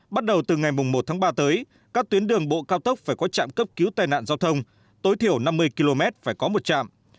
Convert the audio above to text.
bắt đầu từ ngày một tháng ba tới các tuyến đường bộ cao tốc phải có trạm cấp cứu tai nạn giao thông tối thiểu năm mươi km phải có một trạm